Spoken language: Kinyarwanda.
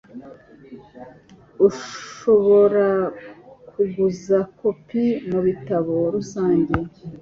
Urashobora kuguza kopi mubitabo rusange.